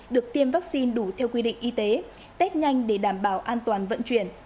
được tiêm vaccine đủ theo quy định y tế test nhanh để đảm bảo an toàn vận chuyển